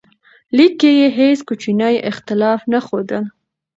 لیک کې یې هیڅ کوچنی اختلاف نه ښودل.